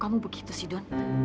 kamu begitu sih don